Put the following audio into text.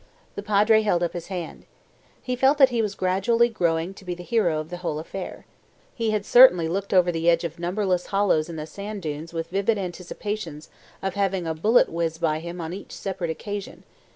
The Padre held up his hand. He felt that he was gradually growing to be the hero of the whole affair. He had certainly looked over the edge of numberless hollows in the sand dunes with vivid anticipations of having a bullet whizz by him on each separate occasion.